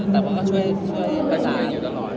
แต่ว่าก็ช่วยอยู่ตลอด